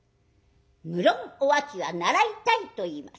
無論お秋は習いたいといいます。